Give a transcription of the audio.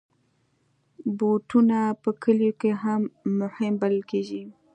بوټونه په کلیو کې هم مهم بلل کېږي.